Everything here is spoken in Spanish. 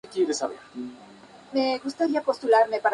Este sistema es usado comúnmente para localizar submarinos sumergidos.